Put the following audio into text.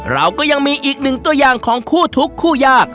เราก็ยังมีอีกหนึ่งตัวอย่างของคู่ทุกคู่ยาก